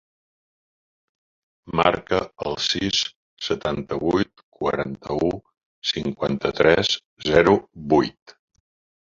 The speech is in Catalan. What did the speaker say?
Marca el sis, setanta-vuit, quaranta-u, cinquanta-tres, zero, vuit.